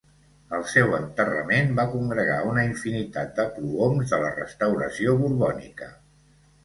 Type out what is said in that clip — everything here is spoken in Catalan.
El seu enterrament va congregar una infinitat de prohoms de la Restauració borbònica.